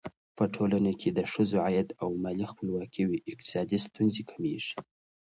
په ټولنه کې چې د ښځو عايد او مالي خپلواکي وي، اقتصادي ستونزې کمېږي.